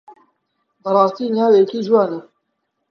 بەڕاستی ناوێکی جوانە.